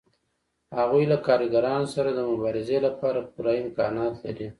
هغوی له کارګرانو سره د مبارزې لپاره پوره امکانات لري